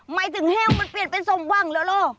หมายถึงแฮวมันเปลี่ยนเป็นทรงวังหรือเปล่า